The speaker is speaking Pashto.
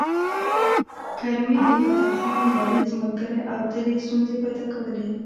کرمي د فتح خان بړيڅ ملګری و او تل یې ستونزې پيدا کولې